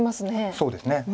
そうですね。